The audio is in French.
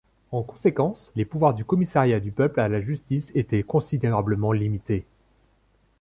En conséquence, les pouvoirs du Commissariat du peuple à la justice étaient considérablement limités.